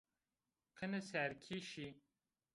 Qineserkî şî